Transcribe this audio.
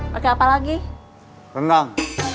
pakai apa lagi renang